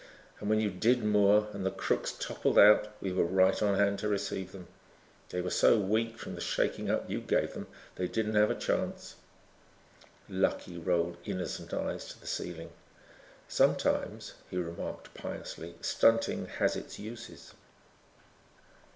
And when you did moor and the crooks toppled out we were right on hand to receive them. They were so weak from the shaking up you gave them that they didn't have a chance." Lucky rolled innocent eyes to the ceiling. "Sometimes," he remarked piously, "stunting has its uses."